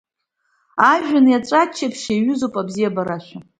Ажәҩан аеҵәа аччаԥшь иаҩызоуп, абзиабара ашәа…